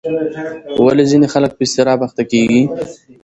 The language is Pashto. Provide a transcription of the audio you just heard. ولې ځینې خلک په اضطراب اخته کېږي؟